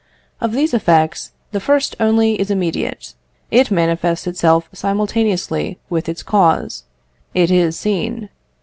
Of these effects, the first only is immediate; it manifests itself simultaneously with its cause it is seen.